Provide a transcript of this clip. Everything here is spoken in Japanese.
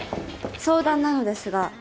相談なのですが。